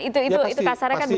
itu kasarnya kan begitu